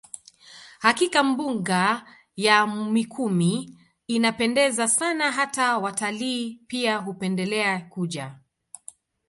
Hakika mbuga ya Mikumi inapendeza Sana hata watalii pia hupendelea kuja